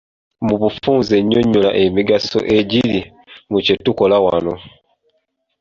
Mu bufunze nyonnyola emigaso egiri mu kye tukola wano.